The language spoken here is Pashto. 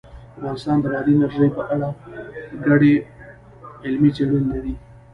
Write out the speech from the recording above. افغانستان د بادي انرژي په اړه ګڼې علمي څېړنې لري.